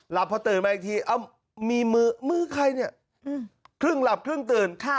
หลับพอตื่นมาอีกทีเอ้ามีมือมือใครเนี้ยอืมครึ่งหลับครึ่งตื่นค่ะ